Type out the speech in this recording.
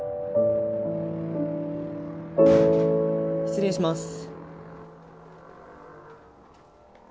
失礼します。